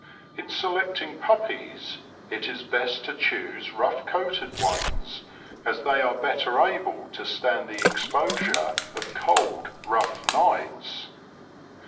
In selecting puppies it is best to choose rough coated ones, as they are better able to stand the exposure of cold, rough nights.